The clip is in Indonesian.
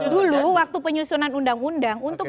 dulu waktu penyusunan undang undang untuk